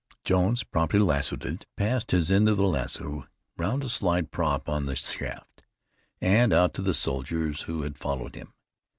Jones promptly lassoed it, passed his end of the lasso round a side prop of the shaft, and out to the soldiers who had followed him.